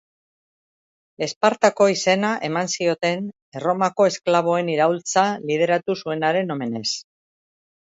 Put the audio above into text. Espartako izena eman zioten, Erromako esklaboen iraultza lideratu zuenaren omenez.